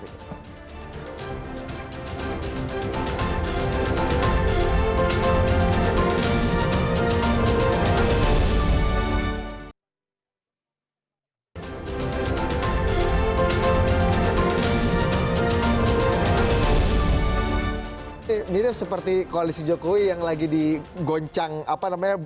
ini tuh seperti koalisi jokowi yang lagi di goncang apa namanya